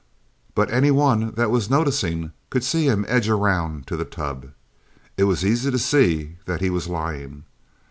But any one that was noticing could see him edge around to the tub. It was easy to see that he was lying.